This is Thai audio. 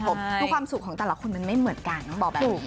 เพราะความสุขของแต่ละคนมันไม่เหมือนกันต้องบอกแบบนี้